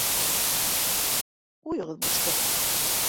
Ҡуйығыҙ бушты.